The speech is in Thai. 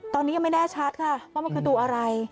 ตอนนี้ยังไม่แน่ชัดค่ะว่ามันคือตัวอะไร